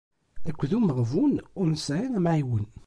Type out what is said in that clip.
Akked umeɣbun ur nesɛi amɛiwen.